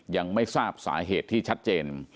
ยังไม่ทราบสาเหตุที่ชัดเจน